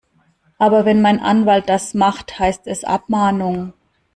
Aber wenn mein Anwalt das macht, heißt es Abmahnung.